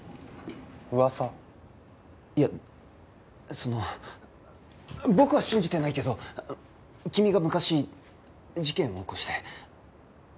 いやその僕は信じてないけど君が昔事件を起こして。